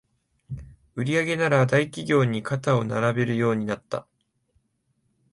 売上なら大企業に肩を並べるようになった